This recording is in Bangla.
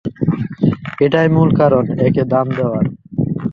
এটাই মূল কারণ একে দাম দেয়ার।